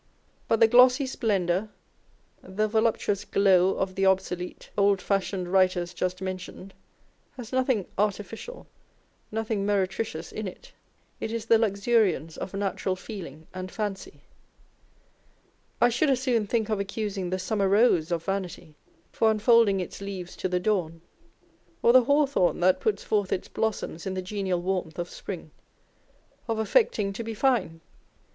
But the glossy splendour, the voluptuous glow of the obsolete, old fashioned writers just mentioned has nothing artificial, nothing meretricious in it. It is the luxuriance of natural feeling and fancy. I should as soon think of accusing the summer rose of vanity for unfolding its leaves to the dawn, or the hawthorn that puts forth its blossoms in the genial warmth of spring, of affecting to be fine.